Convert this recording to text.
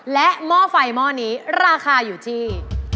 และหม้อไฟหม้อนี้ราคาอยู่ที่